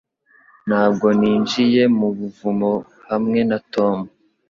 Ntabwo ninjiye mu buvumo hamwe na Tom